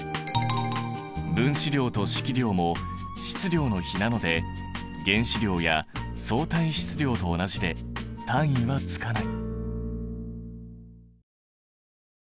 分子量と式量も質量の比なので原子量や相対質量と同じで単位はつかない。